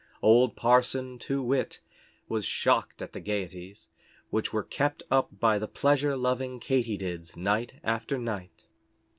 Old Parson Too Whit was shocked at the gaieties, which were kept up by the pleasure loving Katy Dids night after night.